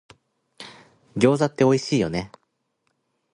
餃子っておいしいよね